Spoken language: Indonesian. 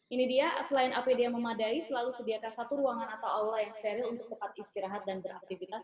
ini dia selain apd yang memadai selalu sediakan satu ruangan atau aula yang steril untuk tempat istirahat dan beraktivitas